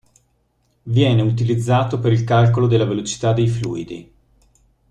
Viene utilizzato per il calcolo della velocità dei fluidi.